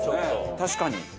確かに。